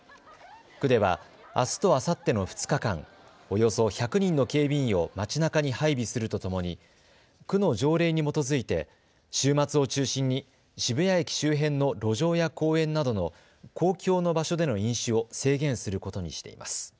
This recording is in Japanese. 区では、あすとあさっての２日間、およそ１００人の警備員を街なかに配備するとともに区の条例に基づいて週末を中心に渋谷駅周辺の路上や公園などの公共の場所での飲酒を制限することにしています。